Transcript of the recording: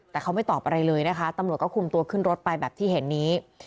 แต่เขาไม่ตอบอะไรเลยนะคะตำรวจก็คุมตัวขึ้นรถไปแบบที่เห็นนี้